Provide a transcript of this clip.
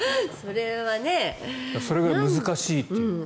それぐらい難しいと。